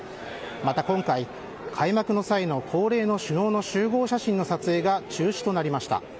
また今回、開幕の際の恒例の首脳の集合写真の撮影が中止となりました。